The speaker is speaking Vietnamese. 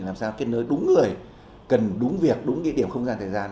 làm sao kết nối đúng người cần đúng việc đúng địa điểm không gian thời gian